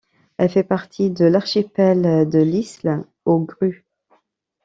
Elle fait partie de l'archipel de L'Isle-aux-Grues.